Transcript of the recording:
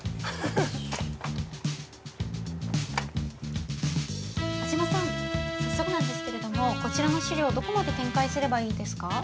早速なんですけれどもこちらの資料どこまで展開すればいいですか？